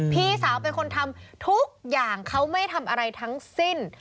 พี่สาวเป็นคนทำทุกอย่างเขาไม่ทำอะไรทั้งสิ้น